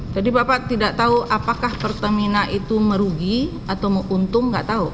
jadi bapak tidak tahu apakah pertamina itu merugi atau menguntung enggak tahu